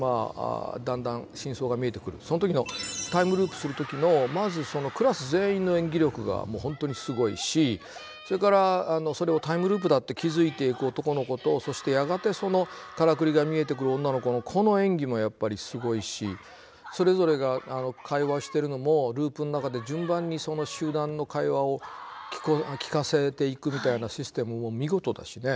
その時のタイムループする時のまずそのクラス全員の演技力がもう本当にすごいしそれからそれをタイムループだって気付いていく男の子とそしてやがてそのからくりが見えてくる女の子のこの演技もやっぱりすごいしそれぞれが会話してるのもループの中で順番にその集団の会話を聞かせていくみたいなシステムも見事だしね。